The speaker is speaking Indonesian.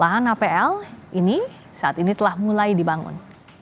lahan apl ini saat ini telah mulai dibangun